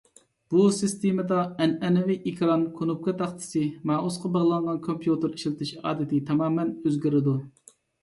بۇ سىستېمىدا ئەنئەنىۋى ئېكران، كونۇپكا تاختىسى، مائۇسقا باغلانغان كومپيۇتېر ئىشلىتىش ئادىتى تامامەن ئۆزگىرىدۇ.